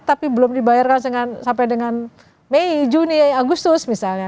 tapi belum dibayarkan sampai dengan mei juni agustus misalnya